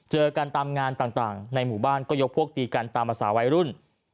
เจอกันตามงานต่างในหมู่บ้านก็ยกพวกตีกันตามภาษาวัยรุ่น